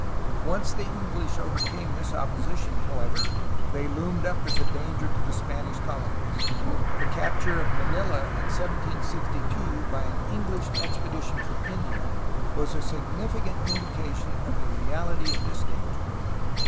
Once the Enghsh overcame this opposition, how ever, they loomed up as a danger to the Spanish colonies. The capture of Manila in 1762 by an English expedition from India was a significant indication of the reaUty of this danger.